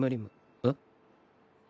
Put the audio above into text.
えっ？